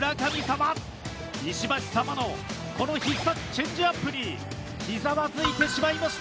石橋様のこの必殺チェンジアップにひざまずいてしまいました。